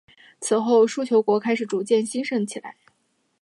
此后琉球国开始逐渐兴盛起来。